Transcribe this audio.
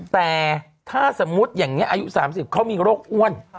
แต่ถ้าสมมุติอย่างนี้อายุ๓๐เขามีโรคอ้วน